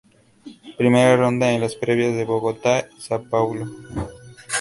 Primera ronda en las previas de Bogotá y Sao Paulo.